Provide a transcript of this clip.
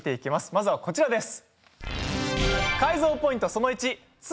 まずはこちらです。